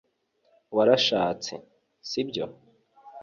warashatse, si byo